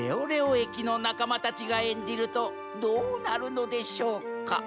駅のなかまたちがえんじるとどうなるのでしょうか？